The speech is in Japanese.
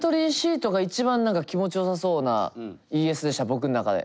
僕ん中で。